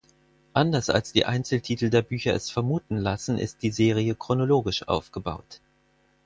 Anders als die Einzeltitel der Bücher es vermuten lassen ist die Serie chronologisch aufgebaut.